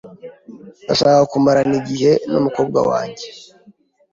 Ndashaka kumarana igihe n'umukobwa wanjye .